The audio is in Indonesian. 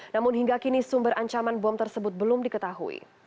namun hingga kini sumber ancaman bom tersebut belum diketahui